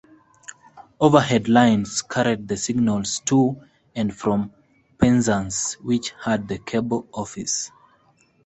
Overhead lines carried the signals to and from Penzance which had the cable office.